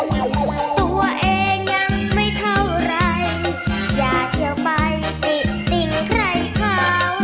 ตัวเองยังไม่เท่าไรอย่าเที่ยวไปติติ่งใครเขา